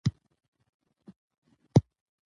فرهنګ د جرګو او مشورو اهمیت څرګندوي.